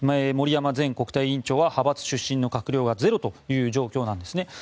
森山前国対委員長は派閥出身の閣僚がゼロという状況なんですね。